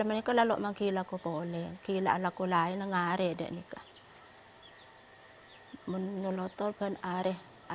tapi sejak tahun ini saya tidak ada